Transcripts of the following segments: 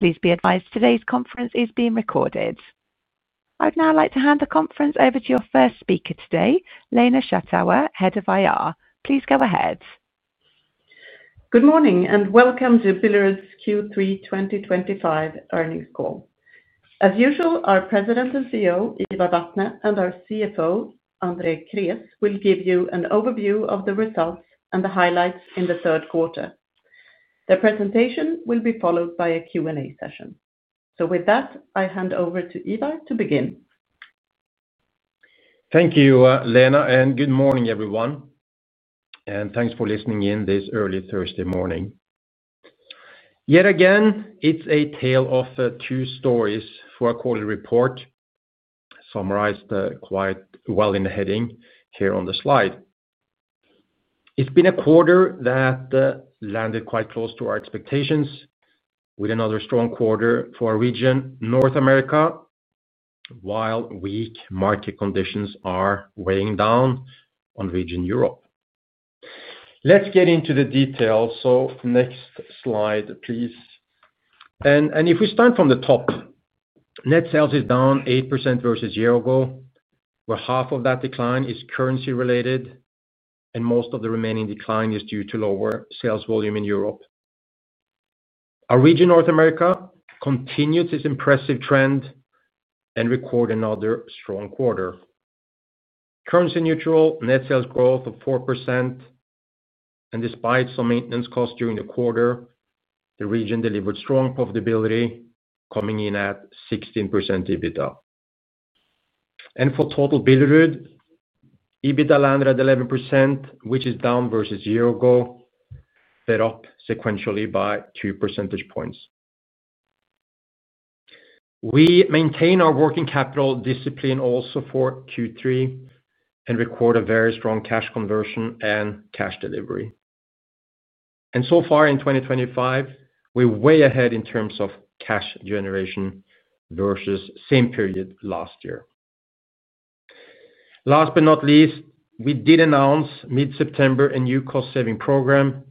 Please be advised today's conference is being recorded. I'd now like to hand the conference over to our first speaker today, Lena Schattauer, Head of IR. Please go ahead. Good morning and welcome to Billerud's Q3 2025 earnings call. As usual, our President and CEO, Ivar Vatne, and our CFO, Andrei Krés, will give you an overview of the results and the highlights in the third quarter. Their presentation will be followed by a Q&A session. With that, I hand over to Ivar to begin. Thank you, Lena, and good morning, everyone, and thanks for listening in this early Thursday morning. Yet again, it's a tale of two stories for a quarterly report summarized quite well in the heading here on the slide. It's been a quarter that landed quite close to our expectations, with another strong quarter for our region, North America, while weak market conditions are weighing down on region Europe. Let's get into the details. Next slide, please. If we start from the top, net sales is down 8% versus a year ago, where half of that decline is currency-related, and most of the remaining decline is due to lower sales volume in Europe. Our region, North America, continued its impressive trend and recorded another strong quarter. Currency-neutral net sales growth of 4%, and despite some maintenance costs during the quarter, the region delivered strong profitability, coming in at 16% EBITDA. For total Billerud, EBITDA landed at 11%, which is down versus a year ago, but up sequentially by two percentage points. We maintain our working capital discipline also for Q3 and record a very strong cash conversion and cash delivery. So far in 2025, we're way ahead in terms of cash generation versus the same period last year. Last but not least, we did announce mid-September a new cost-saving program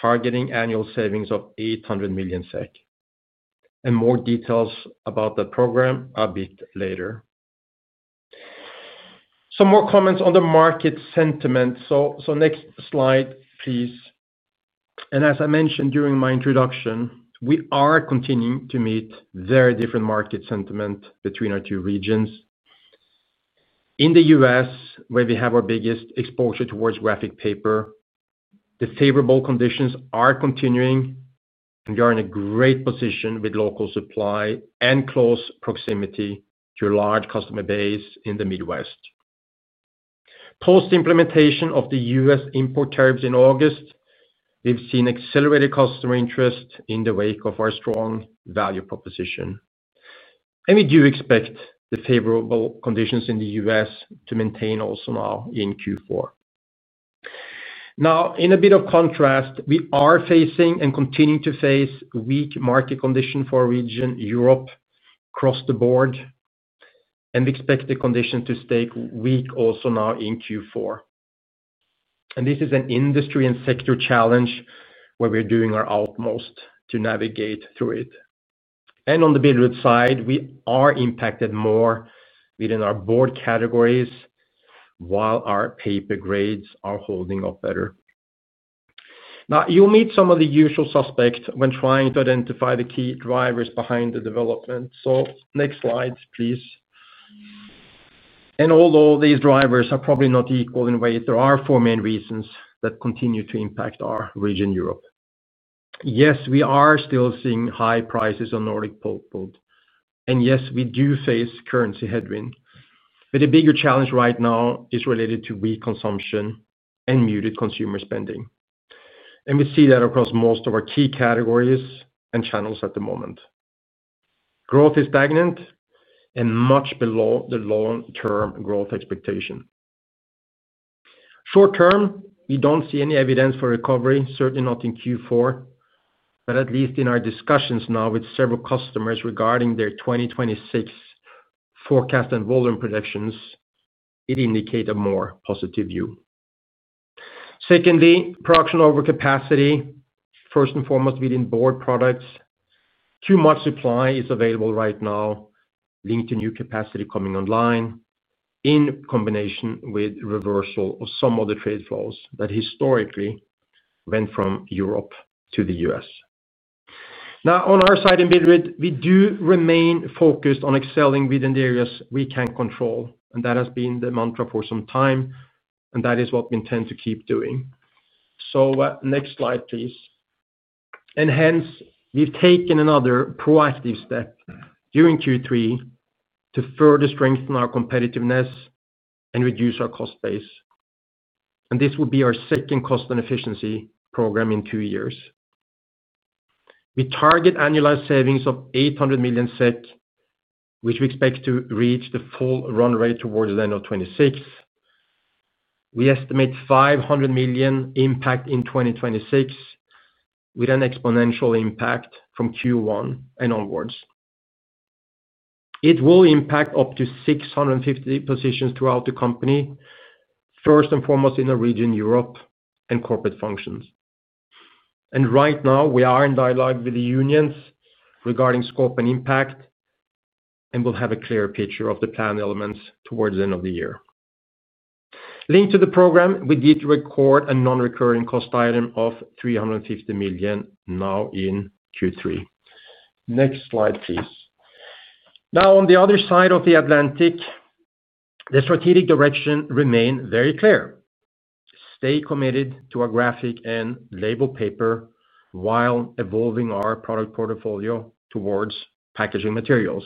targeting annual savings of 800 million SEK. More details about that program a bit later. Some more comments on the market sentiment. Next slide, please. As I mentioned during my introduction, we are continuing to meet very different market sentiment between our two regions. In the U.S., where we have our biggest exposure towards graphic paper, the favorable conditions are continuing, and we are in a great position with local supply and close proximity to a large customer base in the Midwest. Post-implementation of the U.S. import tariffs in August, we've seen accelerated customer interest in the wake of our strong value proposition. We do expect the favorable conditions in the U.S. to maintain also now in Q4. In a bit of contrast, we are facing and continue to face weak market conditions for our region, Europe across the board, and we expect the conditions to stay weak also now in Q4. This is an industry and sector challenge where we're doing our utmost to navigate through it. On the Billerud side, we are impacted more within our board categories, while our paper grades are holding up better. Now, you'll meet some of the usual suspects when trying to identify the key drivers behind the development. Next slide, please. Although these drivers are probably not equal in weight, there are four main reasons that continue to impact our region, Europe. Yes, we are still seeing high prices on Nordic pulp wood, and yes, we do face currency headwind. The bigger challenge right now is related to weak consumption and muted consumer spending. We see that across most of our key categories and channels at the moment. Growth is stagnant and much below the long-term growth expectation. Short-term, we don't see any evidence for recovery, certainly not in Q4. At least in our discussions now with several customers regarding their 2026 forecast and volume predictions, it indicates a more positive view. Secondly, production overcapacity, first and foremost within board products. Too much supply is available right now, linked to new capacity coming online, in combination with reversal of some of the trade flows that historically went from Europe to the U.S. On our side in Billerud, we do remain focused on excelling within the areas we can control, and that has been the mantra for some time, and that is what we intend to keep doing. Next slide, please. Hence, we've taken another proactive step during Q3 to further strengthen our competitiveness and reduce our cost base. This will be our second cost and efficiency program in two years. We target annualized savings of 800 million SEK, which we expect to reach the full runway towards the end of 2026. We estimate 500 million impact in 2026, with an exponential impact from Q1 and onwards. It will impact up to 650 positions throughout the company, first and foremost in the region, Europe, and corporate functions. Right now, we are in dialogue with the unions regarding scope and impact, and we'll have a clearer picture of the planned elements towards the end of the year. Linked to the program, we did record a non-recurring cost item of 350 million now in Q3. Next slide, please. On the other side of the Atlantic, the strategic direction remains very clear. Stay committed to our graphic and label papers while evolving our product portfolio towards packaging materials.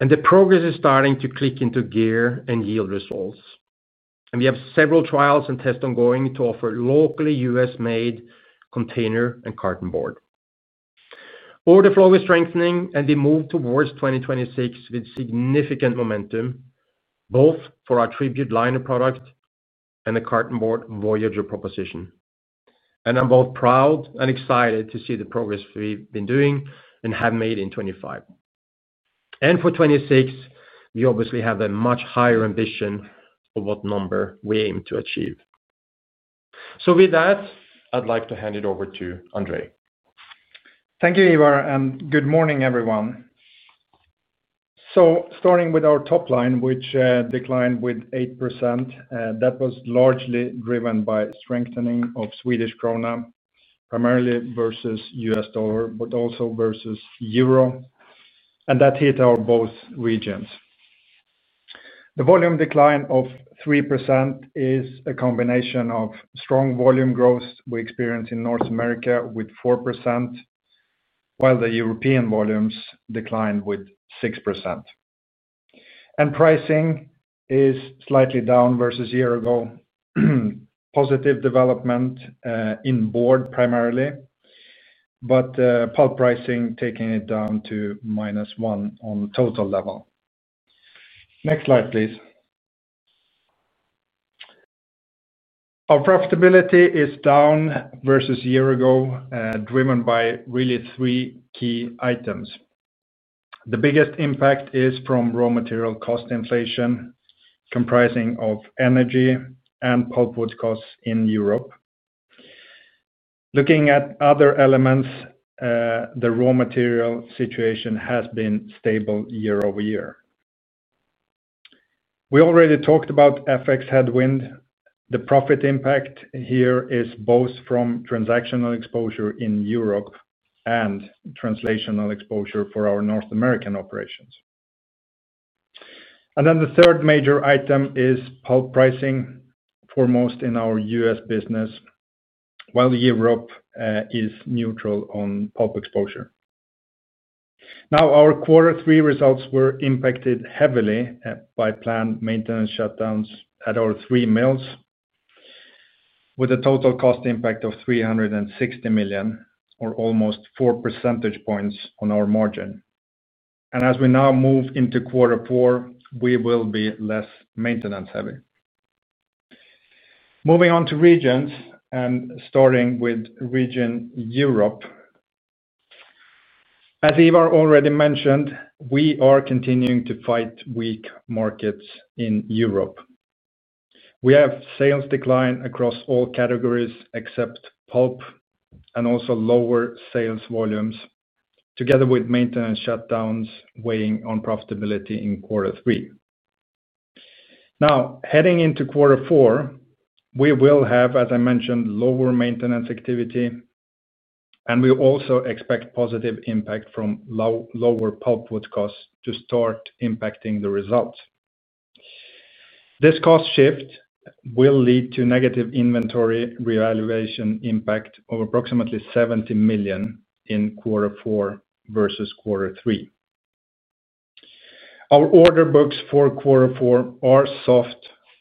The progress is starting to click into gear and yield results. We have several trials and tests ongoing to offer locally U.S.-made containerboard and cartonboard. Order flow is strengthening, and we move towards 2026 with significant momentum, both for our Tribute Liner product and the cartonboard Voyager proposition. I'm both proud and excited to see the progress we've been doing and have made in 2025. For 2026, we obviously have a much higher ambition of what number we aim to achieve. With that, I'd like to hand it over to Andrei. Thank you, Ivar, and good morning, everyone. Starting with our top line, which declined 8%, that was largely driven by strengthening of Swedish krona, primarily versus U.S. dollar, but also versus euro. That hit both our regions. The volume decline of 3% is a combination of strong volume growth we experienced in North America with 4%, while the European volumes declined 6%. Pricing is slightly down versus a year ago. Positive development in board primarily, but pulp pricing taking it down to -1 on the total level. Next slide, please. Our profitability is down versus a year ago, driven by really three key items. The biggest impact is from raw material cost inflation, comprising energy and pulp wood costs in Europe. Looking at other elements, the raw material situation has been stable year over year. We already talked about FX headwind. The profit impact here is both from transactional exposure in Europe and translational exposure for our North American operations. The third major item is pulp pricing, foremost in our U.S. business, while Europe is neutral on pulp exposure. Our quarter three results were impacted heavily by planned maintenance shutdowns at our three mills, with a total cost impact of 360 million, or almost four percentage points on our margin. As we now move into quarter four, we will be less maintenance heavy. Moving on to regions and starting with region Europe. As Ivar already mentioned, we are continuing to fight weak markets in Europe. We have sales decline across all categories except pulp, and also lower sales volumes, together with maintenance shutdowns weighing on profitability in quarter three. Heading into quarter four, we will have, as I mentioned, lower maintenance activity, and we also expect positive impact from lower pulp wood costs to start impacting the results. This cost shift will lead to negative inventory reevaluation impact of approximately 70 million in quarter four versus quarter three. Our order books for quarter four are soft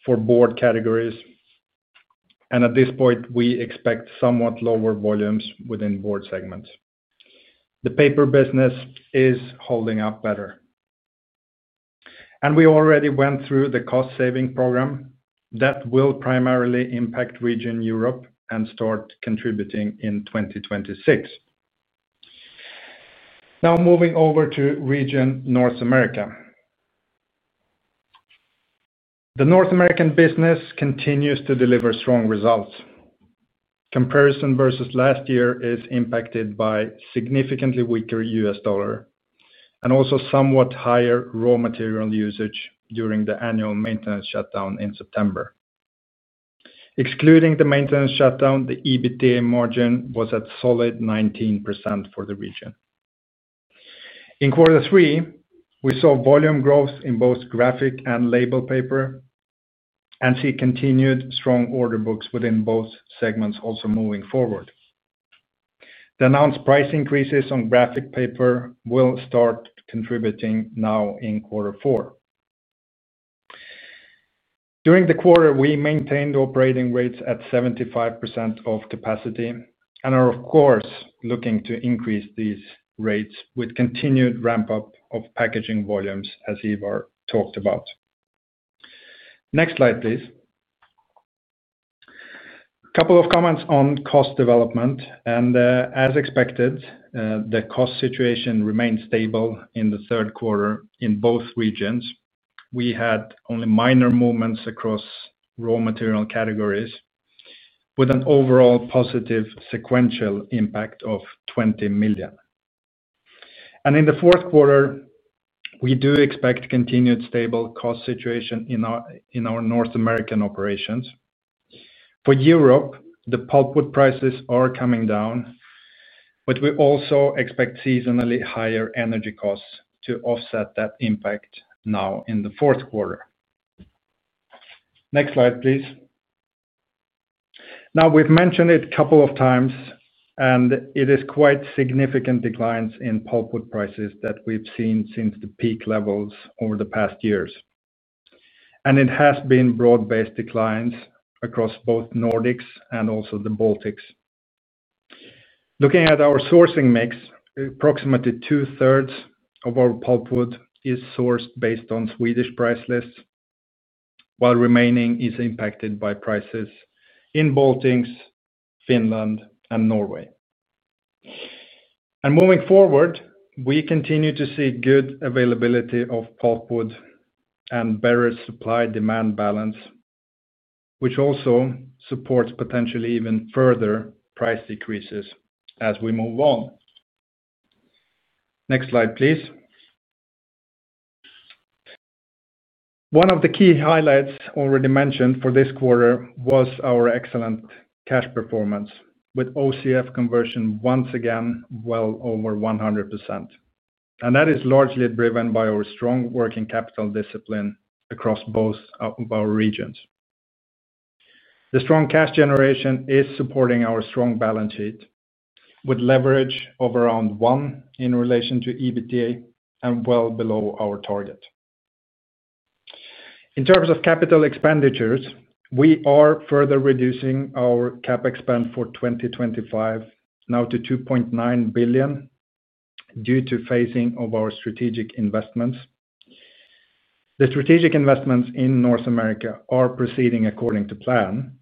for board categories, and at this point, we expect somewhat lower volumes within board segments. The paper business is holding up better. We already went through the cost-saving program that will primarily impact region Europe and start contributing in 2026. Moving over to region North America. The North American business continues to deliver strong results. Comparison versus last year is impacted by significantly weaker U.S. dollar and also somewhat higher raw material usage during the annual maintenance shutdown in September. Excluding the maintenance shutdown, the EBITDA margin was at solid 19% for the region. In quarter three, we saw volume growth in both graphic and label paper, and see continued strong order books within both segments also moving forward. The announced price increases on graphic paper will start contributing now in quarter four. During the quarter, we maintained operating rates at 75% of capacity and are, of course, looking to increase these rates with continued ramp-up of packaging volumes, as Ivar talked about. Next slide, please. A couple of comments on cost development. As expected, the cost situation remains stable in the third quarter in both regions. We had only minor movements across raw material categories, with an overall positive sequential impact of 20 million. In the fourth quarter, we do expect continued stable cost situation in our North American operations. For Europe, the pulp wood prices are coming down, but we also expect seasonally higher energy costs to offset that impact now in the fourth quarter. Next slide, please. Now, we've mentioned it a couple of times, it is quite significant declines in pulp wood prices that we've seen since the peak levels over the past years. It has been broad-based declines across both Nordics and also the Baltics. Looking at our sourcing mix, approximately 2/3 of our pulp wood is sourced based on Swedish price lists, while remaining is impacted by prices in the Baltics, Finland, and Norway. Moving forward, we continue to see good availability of pulp wood and better supply-demand balance, which also supports potentially even further price decreases as we move on. Next slide, please. One of the key highlights already mentioned for this quarter was our excellent cash performance, with OCF conversion once again well over 100%. That is largely driven by our strong working capital discipline across both of our regions. The strong cash generation is supporting our strong balance sheet, with leverage of around one in relation to EBITDA and well below our target. In terms of capital expenditures, we are further reducing our CapEx for 2025, now to 2.9 billion, due to phasing of our strategic investments. The strategic investments in North America are proceeding according to plan,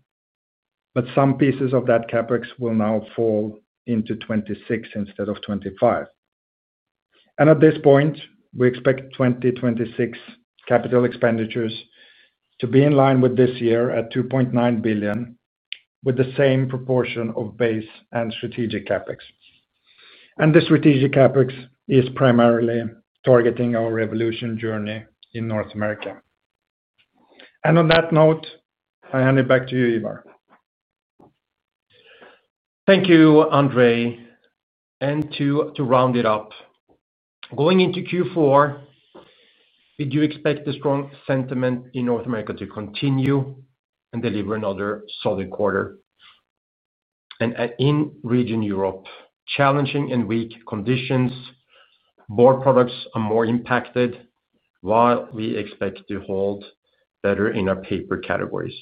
but some pieces of that CapEx will now fall into 2026 instead of 2025. At this point, we expect 2026 capital expenditures to be in line with this year at 2.9 billion, with the same proportion of base and strategic CapEx. The strategic CapEx is primarily targeting our revolution journey in North America. On that note, I hand it back to you, Ivar. Thank you, Andrei. To round it up, going into Q4, we do expect the strong sentiment in North America to continue and deliver another solid quarter. In region Europe, challenging and weak conditions, board products are more impacted, while we expect to hold better in our paper categories.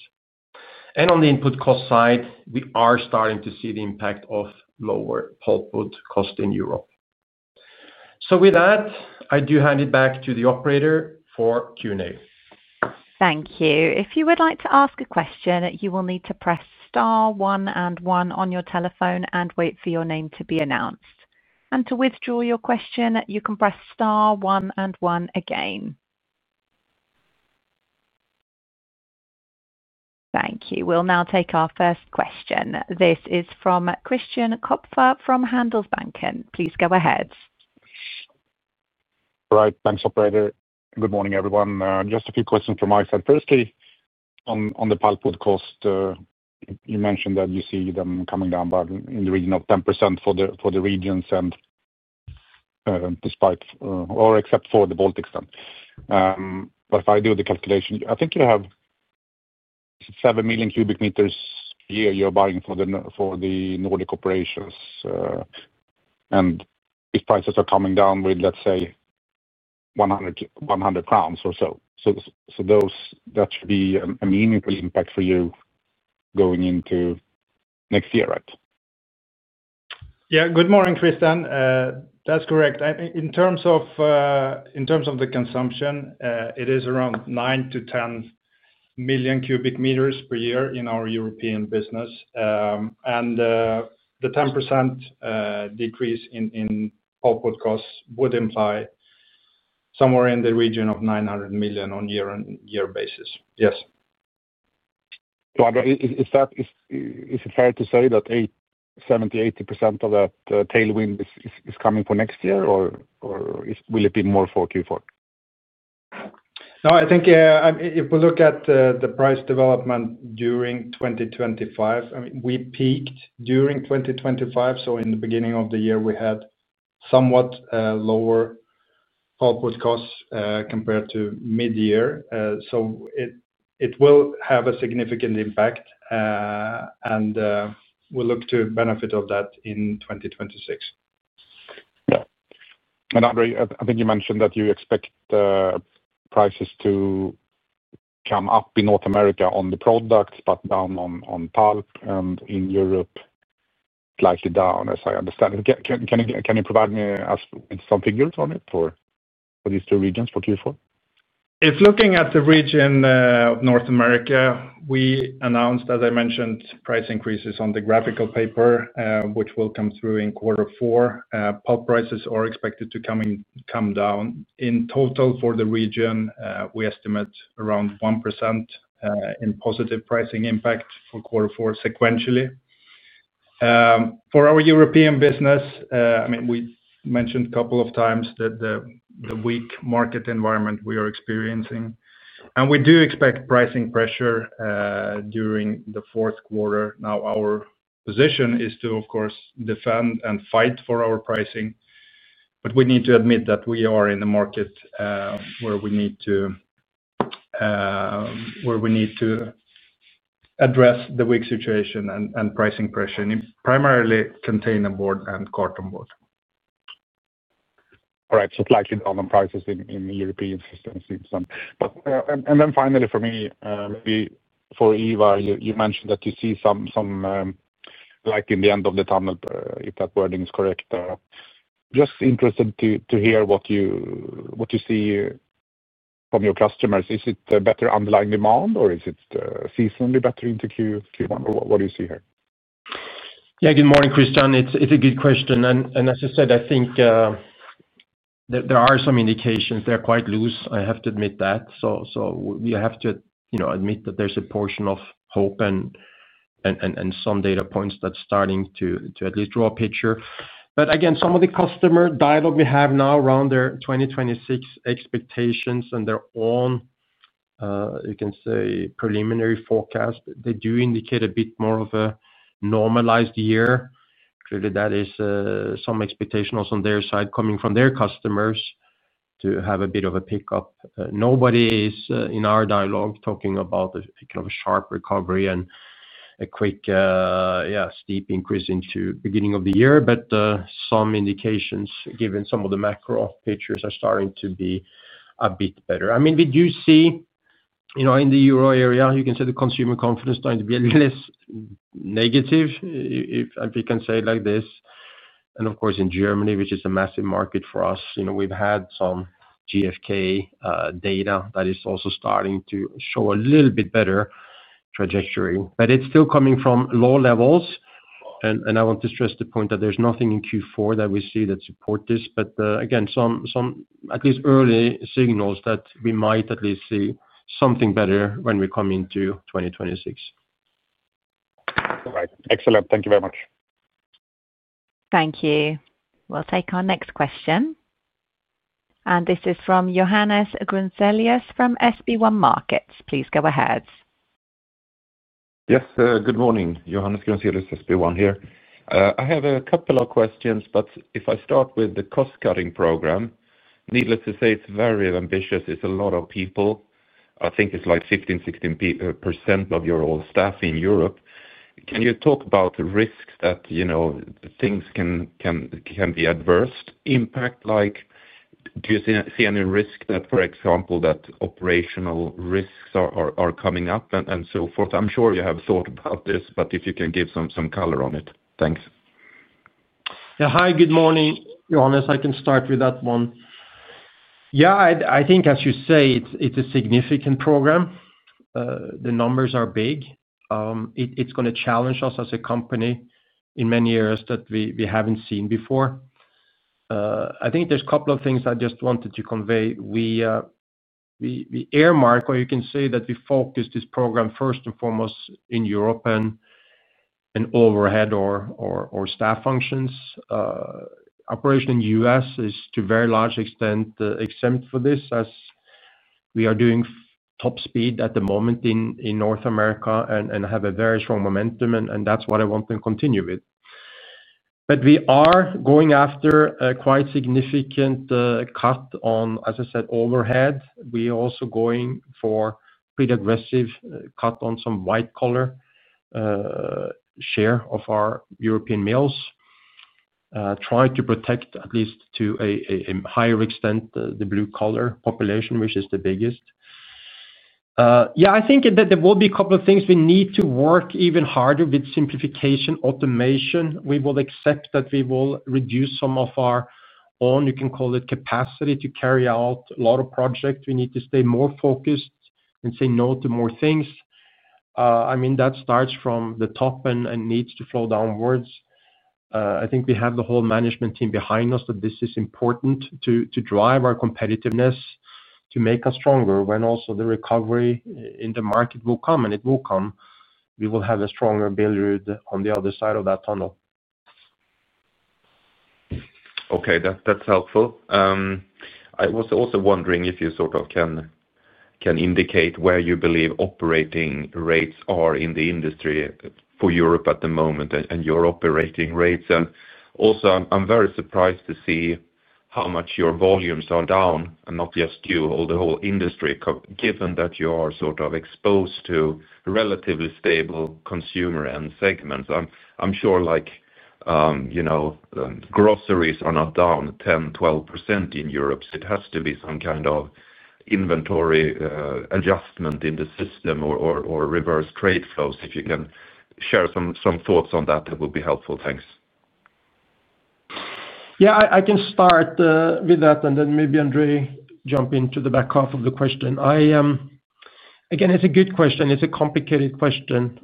On the input cost side, we are starting to see the impact of lower pulp wood costs in Europe. With that, I do hand it back to the operator for Q&A. Thank you. If you would like to ask a question, you will need to press star one and one on your telephone and wait for your name to be announced. To withdraw your question, you can press star one and one again. Thank you. We'll now take our first question. This is from Christian Kopfer from Handelsbanken. Please go ahead. All right. Thanks, operator. Good morning, everyone. Just a few questions from my side. Firstly, on the pulp wood cost, you mentioned that you see them coming down, but in the region of 10% for the regions, except for the Baltics. If I do the calculation, I think you have 7 million cu m per year you're buying for the Nordic operations, and these prices are coming down with, let's say, 100 or so. That should be a meaningful impact for you going into next year, right? Yeah. Good morning, Christian. That's correct. In terms of the consumption, it is around 9 million cu m-10 million cu m per year in our European business. The 10% decrease in pulp wood costs would imply somewhere in the region of 900 million on a year-on-year basis. Yes. Is it fair to say that 70%-80% of that tailwind is coming for next year, or will it be more for Q4? No, I think if we look at the price development during 2025, I mean, we peaked during 2025. In the beginning of the year, we had somewhat lower pulp wood costs compared to mid-year. It will have a significant impact, and we'll look to benefit from that in 2026. Andrei, I think you mentioned that you expect the prices to come up in North America on the products, but down on pulp, and in Europe, slightly down, as I understand it. Can you provide me some figures on it for these two regions for Q4? If looking at the region of North America, we announced, as I mentioned, price increases on the graphical paper, which will come through in quarter four. Pulp prices are expected to come down. In total, for the region, we estimate around 1% in positive pricing impact for quarter four sequentially. For our European business, we mentioned a couple of times the weak market environment we are experiencing. We do expect pricing pressure during the fourth quarter. Our position is to, of course, defend and fight for our pricing. We need to admit that we are in a market where we need to address the weak situation and pricing pressure, and primarily containerboard and cartonboard. All right. Slightly down on prices in the European systems. Finally, for me, maybe for Ivar, you mentioned that you see some light in the end of the tunnel, if that wording is correct. Just interested to hear what you see from your customers. Is it a better underlying demand, or is it seasonally better into Q1, or what do you see here? Good morning, Christian. It's a good question. As I said, I think there are some indications. They're quite loose, I have to admit. We have to admit that there's a portion of hope and some data points that are starting to at least draw a picture. Again, some of the customer dialogue we have now around their 2026 expectations and their own preliminary forecast indicate a bit more of a normalized year. Clearly, that is some expectations on their side coming from their customers to have a bit of a pickup. Nobody in our dialogue is talking about a kind of sharp recovery and a quick, steep increase into the beginning of the year. Some indications, given some of the macro pictures, are starting to be a bit better. I mean, we do see in the euro area, the consumer confidence is less negative, if I can say it like this. Of course, in Germany, which is a massive market for us, we've had some GFK data that is also starting to show a little bit better trajectory. It's still coming from low levels. I want to stress the point that there's nothing in Q4 that we see that supports this. Again, at least some early signals that we might at least see something better when we come into 2026. All right. Excellent. Thank you very much. Thank you. We'll take our next question. This is from Johannes Grunzelius from SB1 Markets. Please go ahead. Yes. Good morning. Johannes Grunzelius SB1 here. I have a couple of questions, but if I start with the cost-cutting program, needless to say, it's very ambitious. It's a lot of people. I think it's like 15%, 16% of your own staff in Europe. Can you talk about the risks that, you know, things can be adverse impact? Like, do you see any risk that, for example, that operational risks are coming up and so forth? I'm sure you have thought about this, but if you can give some color on it. Thanks. Yeah. Hi. Good morning, Johannes. I can start with that one. Yeah. I think, as you say, it's a significant program. The numbers are big. It's going to challenge us as a company in many areas that we haven't seen before. I think there's a couple of things I just wanted to convey. We earmark, or you can say that we focus this program first and foremost in Europe and overhead or staff functions. Operation in the U.S. is, to a very large extent, exempt for this as we are doing top speed at the moment in North America and have a very strong momentum. That's what I want to continue with. We are going after a quite significant cut on, as I said, overhead. We are also going for a pretty aggressive cut on some white-collar share of our European mills, trying to protect at least to a higher extent the blue-collar population, which is the biggest. I think that there will be a couple of things we need to work even harder with: simplification, automation. We will accept that we will reduce some of our own, you can call it, capacity to carry out a lot of projects. We need to stay more focused and say no to more things. That starts from the top and needs to flow downwards. I think we have the whole management team behind us that this is important to drive our competitiveness to make us stronger when also the recovery in the market will come, and it will come. We will have a stronger Billerud on the other side of that tunnel. Okay. That's helpful. I was also wondering if you sort of can indicate where you believe operating rates are in the industry for Europe at the moment and your operating rates. I'm very surprised to see how much your volumes are down, and not just you, the whole industry, given that you are sort of exposed to relatively stable consumer and segments. I'm sure, like, you know, groceries are not down 10%, 12% in Europe. It has to be some kind of inventory adjustment in the system or reverse trade flows. If you can share some thoughts on that, that would be helpful. Thanks. Yeah. I can start with that, and then maybe Andrei jump into the back half of the question. Again, it's a good question. It's a complicated question.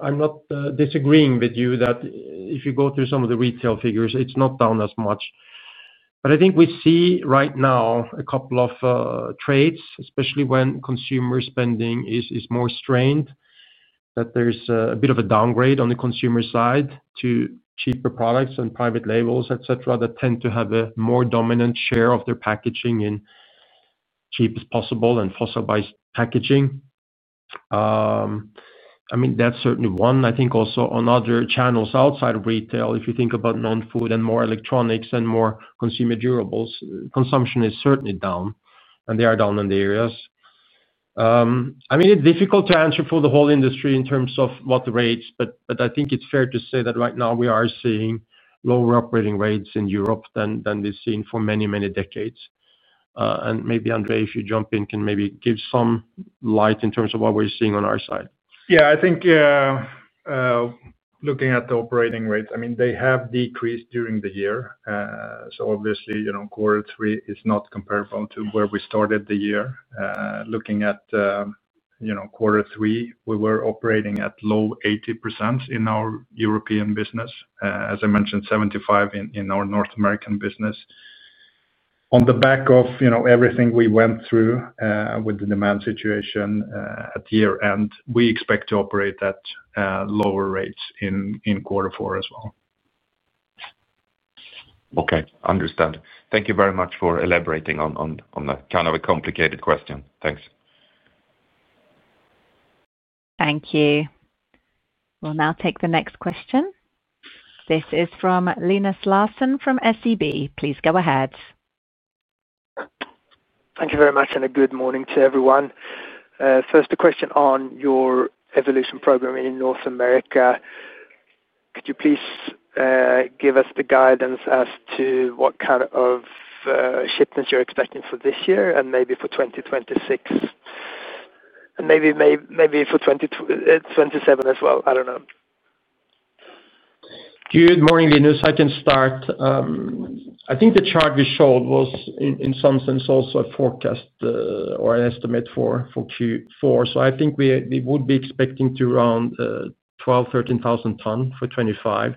I'm not disagreeing with you that if you go through some of the retail figures, it's not down as much. I think we see right now a couple of trades, especially when consumer spending is more strained, that there's a bit of a downgrade on the consumer side to cheaper products and private labels, etc., that tend to have a more dominant share of their packaging in cheap as possible and fossil-based packaging. I mean, that's certainly one. I think also on other channels outside of retail, if you think about non-food and more electronics and more consumer durables, consumption is certainly down, and they are down in the areas. I mean, it's difficult to answer for the whole industry in terms of what the rates, but I think it's fair to say that right now we are seeing lower operating rates in Europe than we've seen for many, many decades. Maybe Andrei, if you jump in, can maybe give some light in terms of what we're seeing on our side. I think looking at the operating rates, they have decreased during the year. Obviously, quarter three is not comparable to where we started the year. Looking at quarter three, we were operating at low 80% in our European business. As I mentioned, 75% in our North American business. On the back of everything we went through with the demand situation at the year-end, we expect to operate at lower rates in quarter four as well. Okay. Understand. Thank you very much for elaborating on that kind of a complicated question. Thanks. Thank you. We'll now take the next question. This is from Linus Larsson from SEB. Please go ahead. Thank you very much, and a good morning to everyone. First, a question on your evolution program in North America. Could you please give us the guidance as to what kind of shipments you're expecting for this year, maybe for 2026, and maybe for 2027 as well. I don't know. Good morning, Linus. I can start. I think the chart we showed was, in some sense, also a forecast or an estimate for Q4. I think we would be expecting to around 12,000, 13,000 tonnes for 2025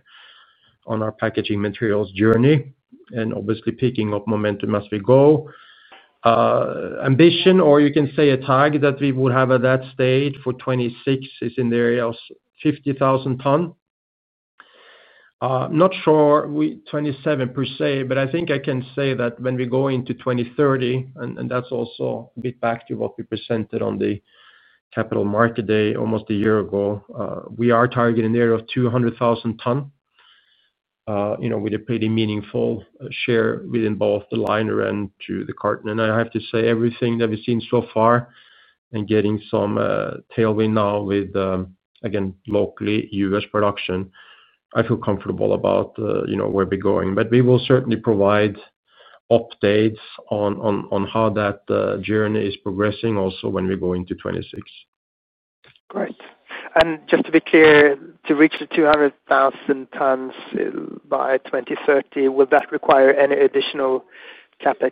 on our packaging materials journey and obviously picking up momentum as we go. Ambition, or you can say a tag that we would have at that stage for 2026, is in the area of 50,000 tonnes. Not sure we 2027 per se, but I think I can say that when we go into 2030, and that's also a bit back to what we presented on the Capital Market Day almost a year ago, we are targeting an area of 200,000 tonnes, you know, with a pretty meaningful share within both the liner and to the carton. I have to say, everything that we've seen so far and getting some tailwind now with, again, locally U.S. production, I feel comfortable about, you know, where we're going. We will certainly provide updates on how that journey is progressing also when we go into 2026. Great. Just to be clear, to reach the 200,000 tonnes by 2030, will that require any additional CapEx?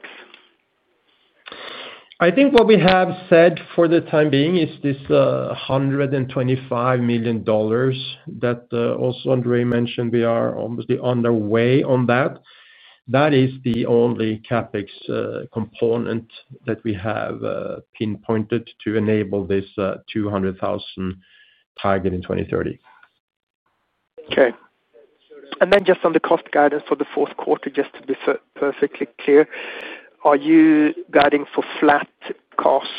I think what we have said for the time being is this $125 million that also Andrei mentioned. We are obviously underway on that. That is the only CapEx component that we have pinpointed to enable this 200,000 target in 2030. Okay. Just on the cost guidance for the fourth quarter, just to be perfectly clear, are you guiding for flat costs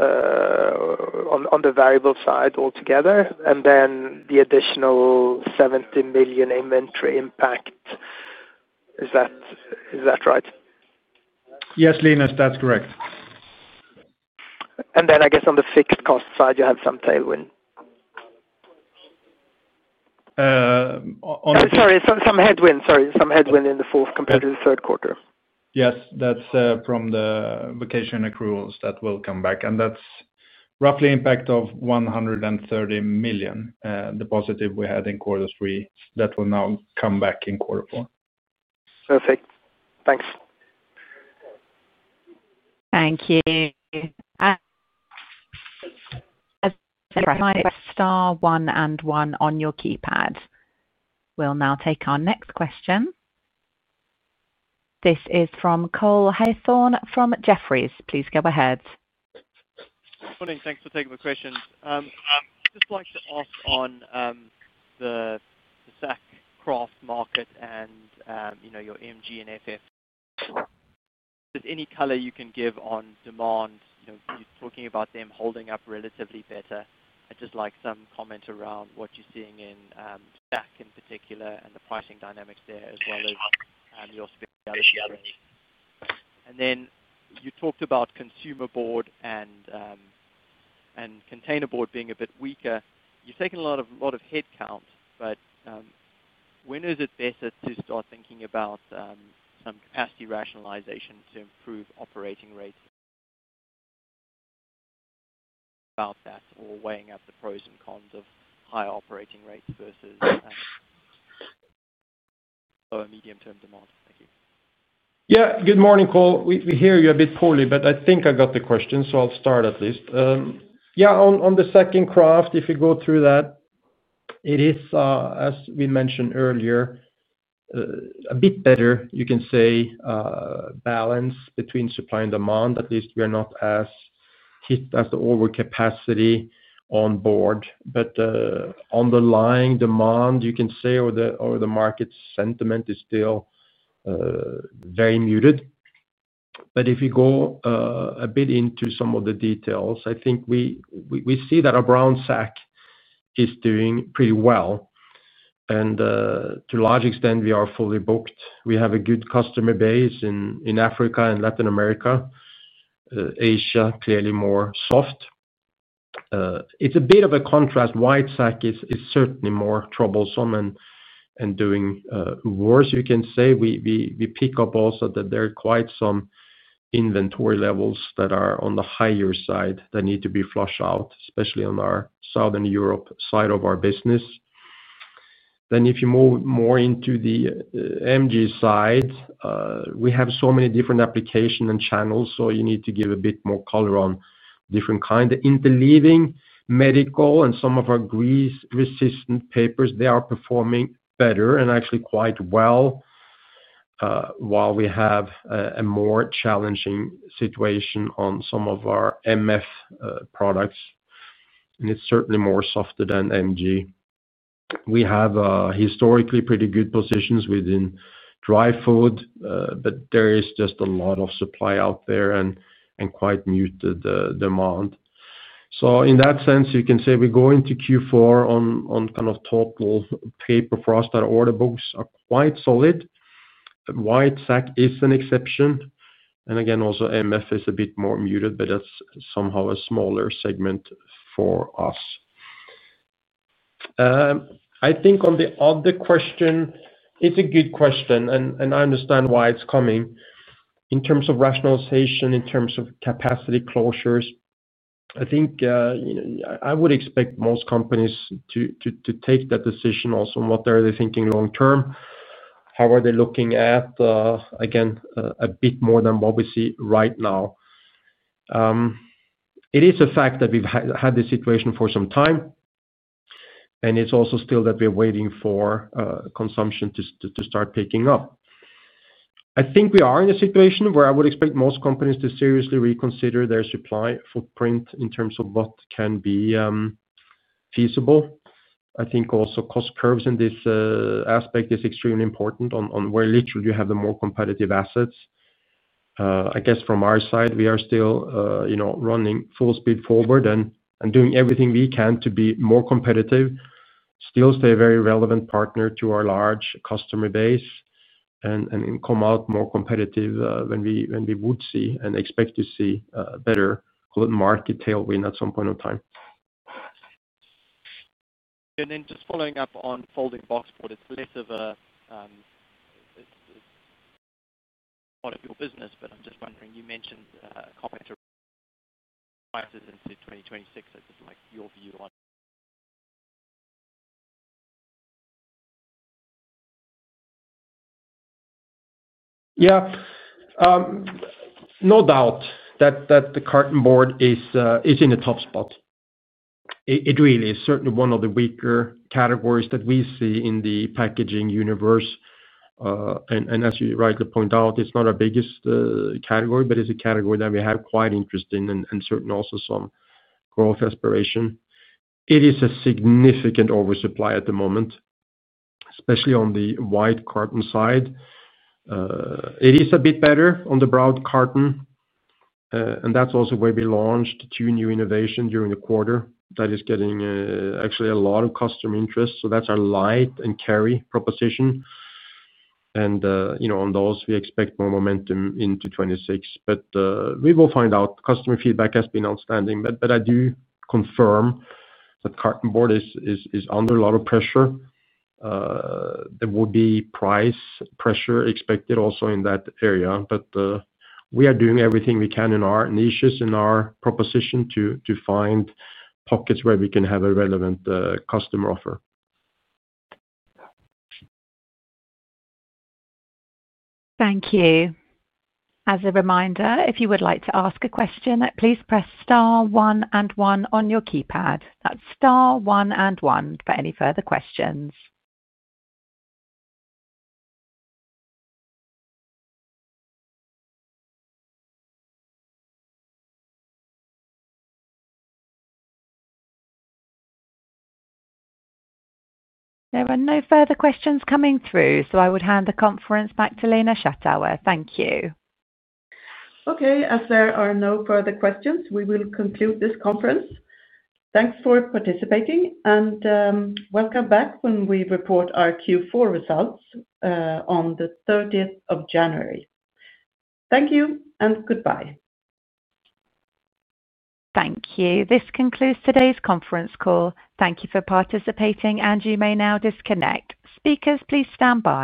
on the variable side altogether and then the additional 70 million inventory impact? Is that right? Yes, Linus, that's correct. I guess on the fixed cost side, you have some tailwind. On the. Sorry. Some headwind in the fourth compared to the third quarter. Yes. That's from the vacation accruals that will come back. That's roughly an impact of 130 million positive we had in quarter three. That will now come back in quarter four. Perfect. Thanks. Thank you. As I said before, star one and one on your keypad. We'll now take our next question. This is from Cole Hathorn from Jefferies. Please go ahead. Morning. Thanks for taking the questions. I'd just like to ask on the SEK kraft market and your EMG and FF. Is there any color you can give on demand? You're talking about them holding up relatively better. I'd just like some comment around what you're seeing in SEK in particular and the pricing dynamics there, as well as your spending on the shipments. You talked about consumer board and containerboard being a bit weaker. You've taken a lot of headcount, but when is it better to start thinking about some capacity rationalization to improve operating rates? About that or weighing up the pros and cons of higher operating rates versus lower medium-term demand. Thank you. Yeah. Good morning, Cole. We hear you a bit poorly, but I think I got the question, so I'll start at least. Yeah. On the SEK kraft, if you go through that, it is, as we mentioned earlier, a bit better, you can say, balance between supply and demand. At least we are not as hit as the overcapacity on board. The underlying demand, you can say, or the market sentiment is still very muted. If we go a bit into some of the details, I think we see that our brown SEK is doing pretty well. To a large extent, we are fully booked. We have a good customer base in Africa and Latin America. Asia, clearly more soft. It's a bit of a contrast. White SEK is certainly more troublesome and doing worse, you can say. We pick up also that there are quite some inventory levels that are on the higher side that need to be flushed out, especially on our Southern Europe side of our business. If you move more into the EMG side, we have so many different applications and channels, so you need to give a bit more color on different kinds. The interleaving medical and some of our grease-resistant papers, they are performing better and actually quite well, while we have a more challenging situation on some of our MF products. It's certainly more softer than EMG. We have historically pretty good positions within dry food, but there is just a lot of supply out there and quite muted demand. In that sense, you can say we go into Q4 on kind of total paper for us that order books are quite solid. White SEK is an exception. Also, MF is a bit more muted, but that's somehow a smaller segment for us. I think on the other question, it's a good question, and I understand why it's coming. In terms of rationalization, in terms of capacity closures, I would expect most companies to take that decision also on what they're thinking long term, how are they looking at, again, a bit more than what we see right now. It is a fact that we've had this situation for some time, and it's also still that we're waiting for consumption to start picking up. I think we are in a situation where I would expect most companies to seriously reconsider their supply footprint in terms of what can be feasible. I think also cost curves in this aspect is extremely important on where literally you have the more competitive assets. I guess from our side, we are still running full speed forward and doing everything we can to be more competitive, still stay a very relevant partner to our large customer base, and come out more competitive than we would see and expect to see better, call it market tailwind, at some point in time. Just following up on folding box board, it's less of a part of your business, but I'm just wondering, you mentioned a copy to prices into 2026. That's just like your view on. Yeah. No doubt that the cartonboard is in the top spot. It really is certainly one of the weaker categories that we see in the packaging universe. As you rightly point out, it's not our biggest category, but it's a category that we have quite interest in and certainly also some growth aspiration. It is a significant oversupply at the moment, especially on the white cartonboard side. It is a bit better on the brown cartonboard. That's also where we launched two new innovations during the quarter that is getting actually a lot of customer interest. That's our light and carry proposition. On those, we expect more momentum into 2026. We will find out. Customer feedback has been outstanding. I do confirm that cartonboard is under a lot of pressure. There will be price pressure expected also in that area. We are doing everything we can in our niches and our proposition to find pockets where we can have a relevant customer offer. Thank you. As a reminder, if you would like to ask a question, please press star one and one on your keypad. That's star one and one for any further questions. There are no further questions coming through, so I would hand the conference back to Lena Schattauer. Thank you. Okay. As there are no further questions, we will conclude this conference. Thanks for participating, and welcome back when we report our Q4 results on the 30th of January. Thank you and goodbye. Thank you. This concludes today's conference call. Thank you for participating, and you may now disconnect. Speakers, please stand by.